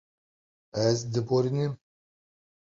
Ez diborînim.